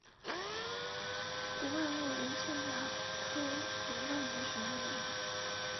壶冠木为茜草科壶冠木属下的一个种。